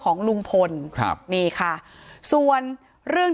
การแก้เคล็ดบางอย่างแค่นั้นเอง